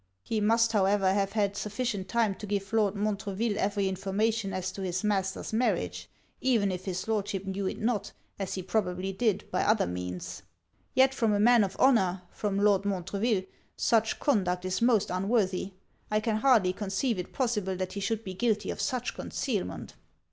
'He must however have had sufficient time to give Lord Montreville every information as to his master's marriage, even if his Lordship knew it not, as he probably did, by other means. Yet from a man of honour from Lord Montreville such conduct is most unworthy. I can hardly conceive it possible that he should be guilty of such concealment.'